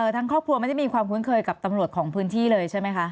ทั้งครอบครัวไม่ได้มีความคุ้นเคยกับตำรวจของพื้นที่เลยใช่ไหมคะ